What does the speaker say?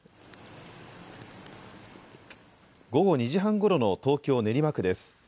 午後２時半ごろの東京練馬区です。